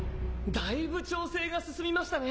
だいぶ調整が進みましたね！